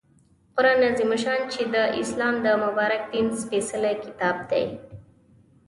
قرآن عظیم الشان چې د اسلام د مبارک دین سپیڅلی کتاب دی